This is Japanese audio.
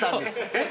えっ？